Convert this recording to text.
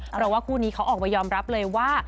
เพราะว่าคู่นี้เขาออกมายอมรับเลยว่า